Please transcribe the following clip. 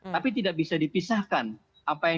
tapi tidak bisa dipisahkan